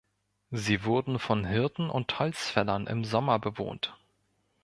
Sie wurden von Hirten und Holzfällern im Sommer bewohnt.